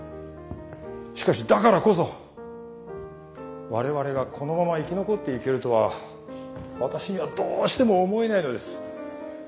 しかしだからこそ我々がこのまま生き残っていけるとは私にはどうしても思えないのです。